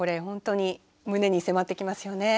本当に胸に迫ってきますよね。